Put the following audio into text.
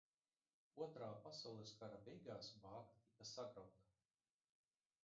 Otrā pasaules kara beigās bāka tika sagrauta.